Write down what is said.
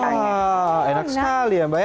wah enak sekali ya mbak ya